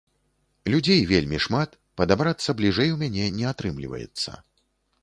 Людзей вельмі шмат, падабрацца бліжэй у мяне не атрымліваецца.